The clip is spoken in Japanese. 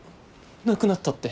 亡くなったって。